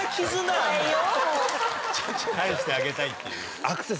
帰してあげたいっていう。